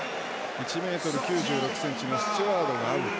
１ｍ９６ｃｍのスチュワードがアウト。